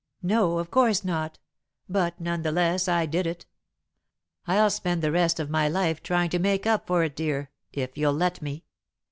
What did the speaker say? "No, of course not, but, none the less I did it. I'll spend the rest of my life trying to make up for it, dear, if you'll let me."